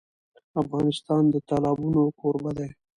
افغانستان د تالابونه کوربه دی.